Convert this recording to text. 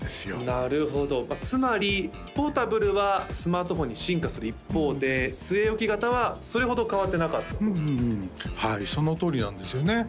なるほどつまりポータブルはスマートフォンに進化する一方で据え置き型はそれほど変わってなかったとうんうんうんはいそのとおりなんですよね